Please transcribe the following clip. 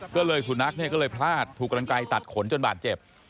ก็เลยสุนัขเนี่ยก็เลยพลาดถูกกำลังไกลตัดขนจนบาดเจ็บ